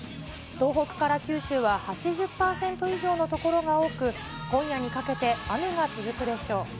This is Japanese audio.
東北から九州は８０％以上の所が多く、今夜にかけて雨が続くでしょう。